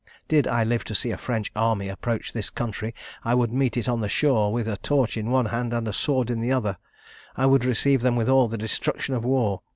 "Did I live to see a French army approach this country, I would meet it on the shore with a torch in one hand and a sword in the other I would receive them with all the destruction of war!